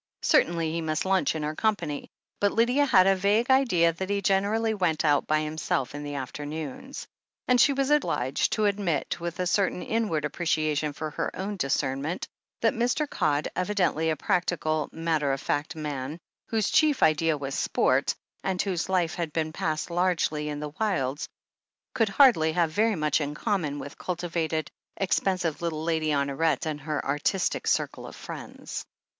Certainly he must lunch in her company, but Lydia had a vague idea that he generally went out by himself in the afternoons. And she was obliged to admit, with a certain inward appreciation for her own discernment, that Mr. Codd, evidently a practical, matter of fact man, whose chief idea was sport, and whose life had been passed largely in the wilds, could hardly have very much in common with cultivated, expensive little Lady Honoret and her artistic circle of friends.